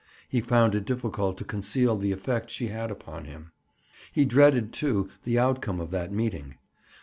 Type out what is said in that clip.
He found it difficult to conceal the effect she had upon him. He dreaded, too, the outcome of that meeting.